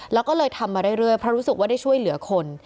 แล้วก็เลยทำมาเรื่อยเพราะรู้สึกว่าได้ช่วยเหลือคน